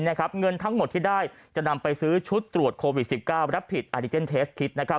เงินทั้งหมดที่ได้จะนำไปซื้อชุดตรวจโควิด๑๙รับผิดอาติเจนเทสคิด